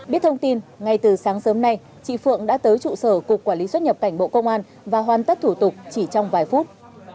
biết thông tin ngay từ sáng sớm nay chị phượng đã tới trụ sở cục quản lý xuất nhập cảnh bộ công an và hoàn tất thủ tục chỉ trong vài phút